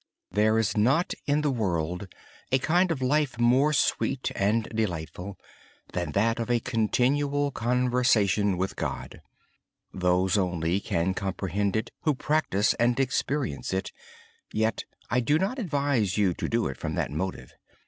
There is not in the world a kind of life more sweet and delightful than that of a continual conversation with God. Only those can comprehend it who practice and experience it. Yet I do not advise you to do it from that motive.